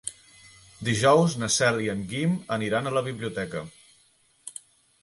Dijous na Cel i en Guim aniran a la biblioteca.